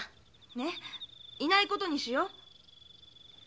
ねいないことにしよう。